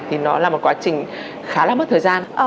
thì nó là một quá trình khá là mất thời gian